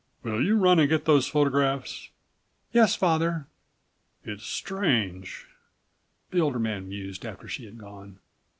"Will you run and get those photographs?"94 "Yes, father." "It's strange," the older man mused after she had gone.